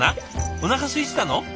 おなかすいてたの？